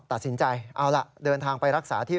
ฟังเสียงคุณฟอร์กันนี่โมฮามัทอัตซันนะครับ